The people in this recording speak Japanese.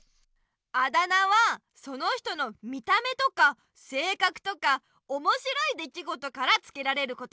あだ名はその人の見た目とかせいかくとかおもしろいできごとからつけられることが多い。